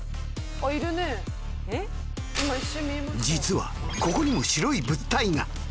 実はここにも白い物体が。